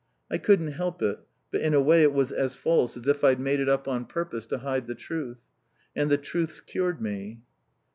I couldn't help it, but in a way it was as false as if I'd made it up on purpose to hide the truth. And the truth's cured me."